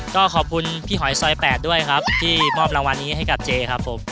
ก็ขอบคุณพี่หอยซอย๘ด้วยครับที่มอบรางวัลนี้ให้กับเจครับผม